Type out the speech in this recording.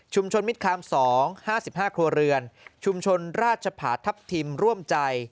มิดคาม๒๕๕ครัวเรือนชุมชนราชผาทัพทิมร่วมใจ